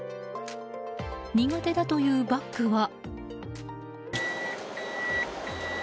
苦手だというバックは。